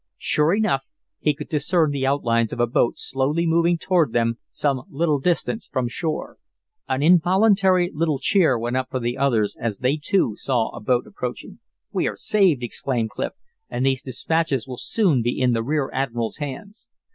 Sure enough, he could discern the outlines of a boat slowly moving toward them some little distance from shore. An involuntary little cheer went up from the others as they, too, saw the boat approaching. "We are saved!" exclaimed Clif, "and these dispatches will soon be in the rear admiral's hands."